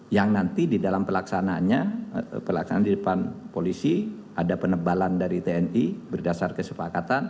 yang nanti di dalam pelaksanaannya pelaksanaan di depan polisi ada penebalan dari tni berdasar kesepakatan